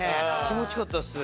気持ちよかったです